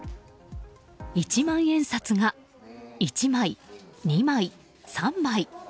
一万円札が１枚、２枚、３枚。